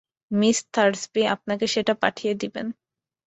Miss Thursby আপনাকে সেটা পাঠিয়ে দেবেন।